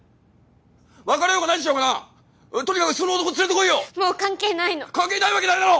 別れようが何しようがなとにかくその男連れてこいよもう関係ないの関係ないわけないだろ！